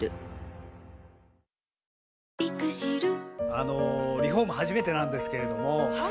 あのリフォーム初めてなんですけれどもはい。